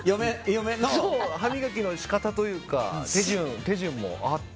歯磨きの仕方というか手順も。